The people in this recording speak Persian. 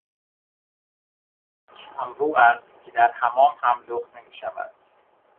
او آنقدر کمرو است که در حمام هم لخت نمیشود.